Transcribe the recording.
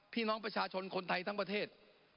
พี่น้องประชาชนคนไทยทั้งประเทศ